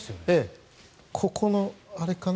ここのあれかな。